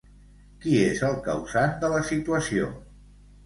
Qui és el causant de la situació?